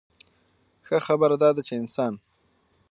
ښۀ خبره دا ده چې انسان